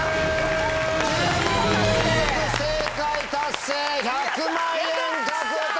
１０問連続正解達成１００万円獲得！